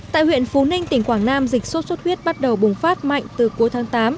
tại huyện phú ninh tỉnh quảng nam dịch sốt xuất huyết bắt đầu bùng phát mạnh từ cuối tháng tám